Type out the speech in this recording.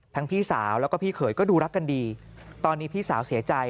พี่สาวแล้วก็พี่เขยก็ดูรักกันดีตอนนี้พี่สาวเสียใจ